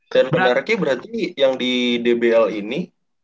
dan benarkah berarti yang di bbl ini